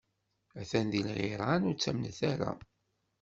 A-t-an di lɣiran, ur ttamnet ara!